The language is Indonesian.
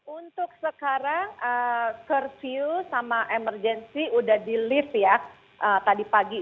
untuk sekarang curfew sama emergensi sudah di lift ya tadi pagi